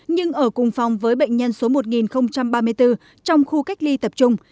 nhưng ở cùng phòng với bệnh nhân số một nghìn ba mươi bốn trong khu cách ly tập trung